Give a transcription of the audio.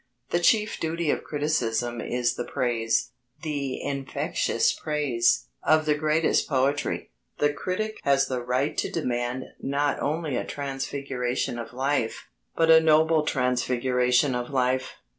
The chief duty of criticism is the praise the infectious praise of the greatest poetry. The critic has the right to demand not only a transfiguration of life, but a noble transfiguration of life.